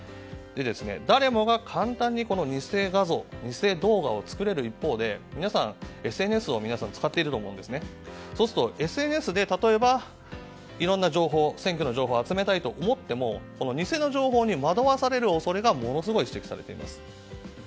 誰もが簡単に偽画像、偽動画を作れる一方で皆さん、ＳＮＳを使っていると思いますがそうすると、ＳＮＳで例えば、いろんな情報選挙の情報を集めたいと思っても偽の情報に惑わされる恐れが指摘されています。